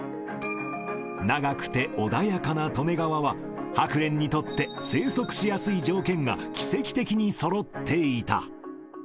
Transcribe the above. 長くて穏やかな利根川は、ハクレンにとって生息しやすい条件が奇跡的にそろっていた。